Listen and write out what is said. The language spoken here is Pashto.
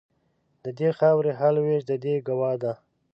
د دې خاوري هر لوېشت د دې ګوا ده